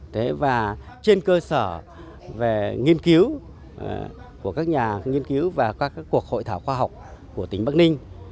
thế và trên cơ sở về nghiên cứu của các nhà nghiên cứu và các cuộc hội thảo khoa học của tỉnh bắc ninh